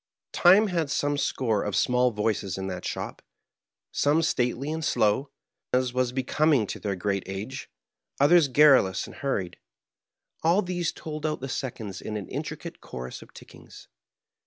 Time had some score of small voices in that shop, some stately and slow, as was becoming to their great age; others garrulous and hurried. All these told out the seconds in an intricate chorus of tickings.